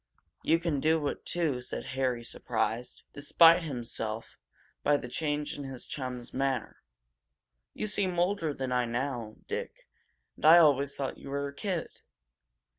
"You can do it, too," said Harry, surprised, despite himself, by the change in his chum's manner. "You seem older than I now, Dick, and I've always thought you were a kid!"